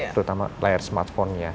terutama layar smartphone nya